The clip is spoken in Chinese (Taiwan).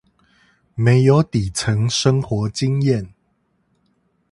沒有底層生活經驗